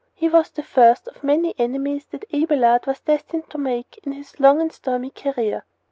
He was the first of many enemies that Abelard was destined to make in his long and stormy career.